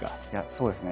そうですね